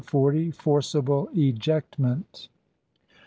FORCIBLE EJECTMENT.